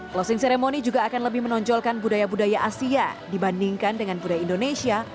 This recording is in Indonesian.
closing ceremony juga akan lebih menonjolkan budaya budaya asia dibandingkan dengan budaya indonesia